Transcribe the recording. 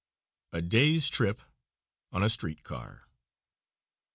A DAY'S TRIP ON A STREET CAR.